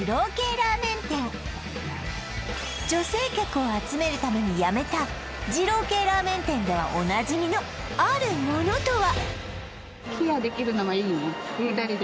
ラーメン店女性客を集めるためにやめた二郎系ラーメン店ではおなじみのあるものとは？